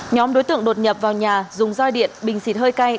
nhóm đối tượng đột nhập vào nhà dùng roi điện bình xịt hơi cay